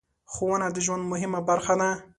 ښوونه د ژوند مهمه برخه ده.